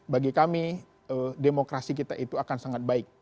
bagi kami demokrasi kita itu akan sangat baik